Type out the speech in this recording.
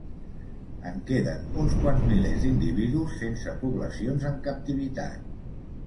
En queden uns quants milers d'individus, sense poblacions en captivitat.